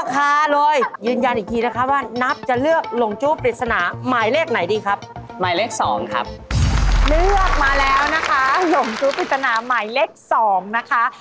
ค้าจำนำไปเลยค่ะที่๓๕๐๐บาทค่ะ